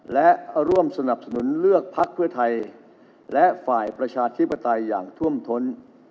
และร่วมสนับสนุนเลือกพักเพื่อไทยและฝ่ายประชาธิปไตยอย่างท่วมท้น